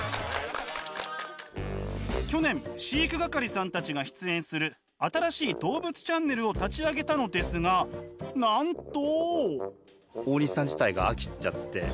去年飼育係さんたちが出演する新しい動物チャンネルを立ち上げたのですがなんと。